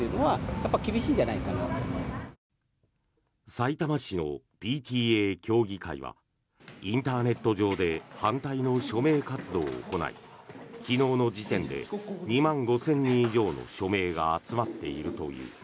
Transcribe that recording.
さいたま市のＰＴＡ協議会はインターネット上で反対の署名活動を行い昨日の時点で２万５０００人以上の署名が集まっているという。